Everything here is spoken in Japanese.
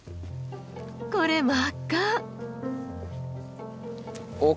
これ真っ赤！